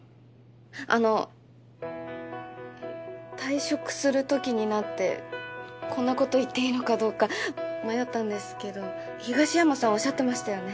あの退職するときになってこんなこと言っていいのかどうか迷ったんですけど東山さんおっしゃってましたよね？